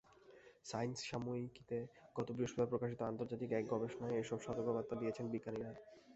Science সাময়িকীতে গত বৃহস্পতিবার প্রকাশিত আন্তর্জাতিক এক গবেষণায় এসব সতর্কবার্তা দিয়েছেন বিজ্ঞানীরা।